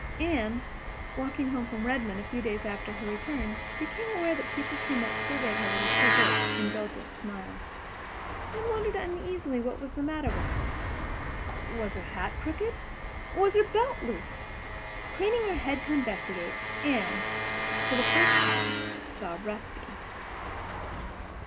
Anne, walking home from Redmond a few days after her return, became aware that the people that she met surveyed her with a covert, indulgent smile. Anne wondered uneasily what was the matter with her. Was her hat crooked? Was her belt loose? Craning her head to investigate, Anne, for the first time, saw Rusty.